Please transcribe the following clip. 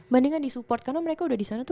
mendingan di support karena mereka udah disana tuh